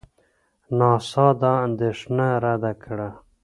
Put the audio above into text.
ناسا دا اندېښنه رد کړه.